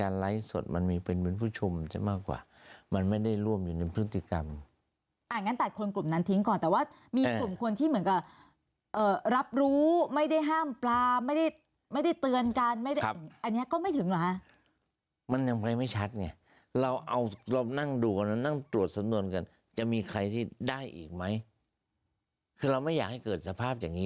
เราจะยึดอยู่แนวคิดของ